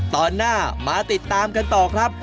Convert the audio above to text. ตอนหน้ามาติดตามกันต่อครับ